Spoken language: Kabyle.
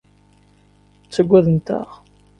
Ttagadent-aɣ.